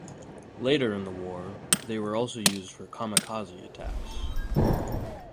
Later in the war, they were also used for "kamikaze" attacks.